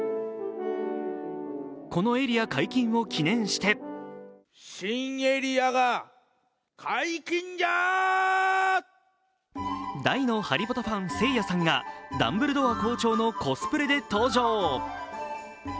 このエリア解禁を記念して大のハリポタファン・せいやさんがダンブルドア校長のコスプレで登場。